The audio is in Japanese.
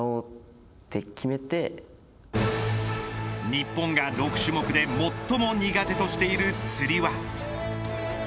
日本が６種目で最も苦手としているつり輪。